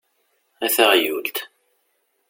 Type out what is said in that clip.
A taɣyult!